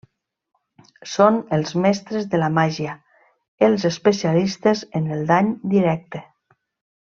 Són els mestres de la màgia, els especialistes en el dany directe.